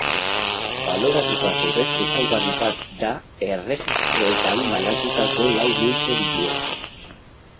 Baloratutako beste ezaugarri bat da erregistroetan banatutako lau multzo dituela.